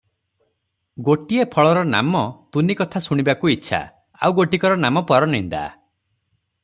ଗୋଟିଏ ଫଳର ନାମ ତୁନି କଥା ଶୁଣିବାକୁ ଇଚ୍ଛା, ଆଉ ଗୋଟିକର ନାମ ପରନିନ୍ଦା ।